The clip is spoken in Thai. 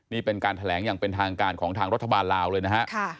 นี่เป็นการแถลงอย่างเป็นทางการของทางรัฐบาลลาวเลยนะฮะ